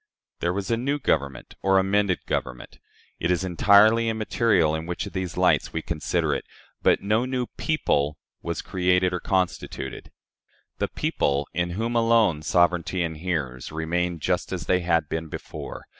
There was a new Government or an amended Government it is entirely immaterial in which of these lights we consider it but no new PEOPLE was created or constituted. The people, in whom alone sovereignty inheres, remained just as they had been before.